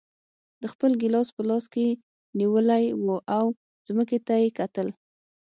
ده خپل ګیلاس په لاس کې نیولی و او ځمکې ته یې کتل.